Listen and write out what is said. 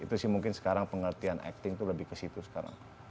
itu sih mungkin sekarang pengertian acting tuh lebih ke situ sekarang